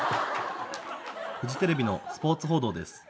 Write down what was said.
フジテレビのスポーツ報道です。